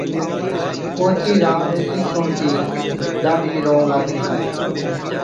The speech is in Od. اوڇِي رانڏ اِين سُڻتِي ڏاڍِي روئُون لاگلِي،